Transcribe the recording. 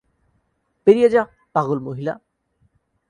বেরিয়ে যা, পাগল মহিলা।